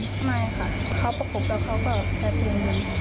ไม่ค่ะเขาประกบแล้วเขาก็ชักปืนมายิง